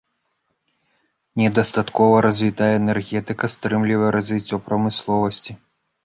Недастаткова развітая энергетыка стрымлівае развіццё прамысловасці.